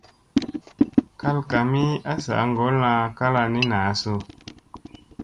Kal kami a sa ngolla kala ni naaasu.